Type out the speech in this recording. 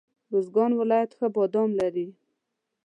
روزګان ولایت ښه بادام لري.